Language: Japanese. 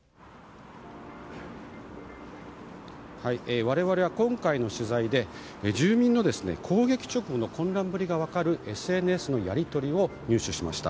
我々は今回の取材で住民の攻撃直後の混乱ぶりが分かるＳＮＳのやり取りを入手しました。